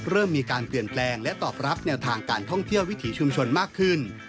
เริ่มมีการเปลี่ยนแปลงและตอบรับแนวทางการท่องเที่ยววิถีชุมชนมากขึ้น